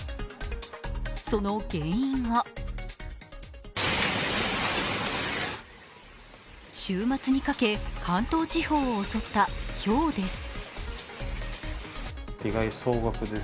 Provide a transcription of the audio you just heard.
その原因が週末にかけ、関東地方を襲ったひょうです。